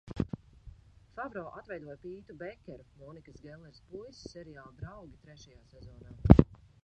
"Favro atveidoja Pītu Bekeru, Monikas Gelleres puisi, seriāla "Draugi" trešajā sezonā."